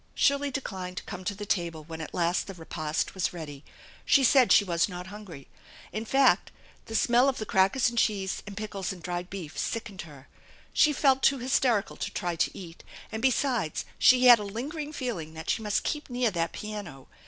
Shirley declined to come to the table when at last the repast was ready. She said she was not hungry. In fact, the smell or the crackers and cheese and pickles and dried beef sickened her. She felt too hysterical to try to eat, and besides she had a lingering feeling that she must keep near that piano.